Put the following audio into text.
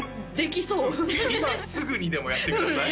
今すぐにでもやってください